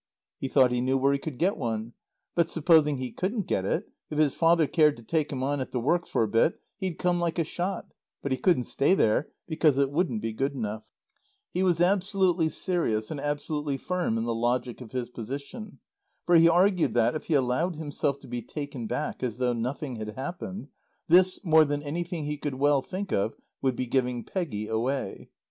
He thought he knew where he could get one; but supposing he couldn't get it, if his father cared to take him on at the works for a bit he'd come like a shot; but he couldn't stay there, because it wouldn't be good enough. He was absolutely serious, and absolutely firm in the logic of his position. For he argued that, if he allowed himself to be taken back as though nothing had happened, this, more than anything he could well think of, would be giving Peggy away.